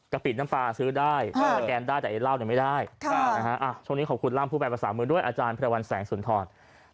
ปิดน้ำปลาซื้อได้สแกนได้แต่ไอ้เหล้าเนี่ยไม่ได้ช่วงนี้ขอบคุณร่ำพูดแบบภาษามือด้วยอาจารย์พระวันแสงสุนทร